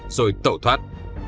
rồi tậu thoát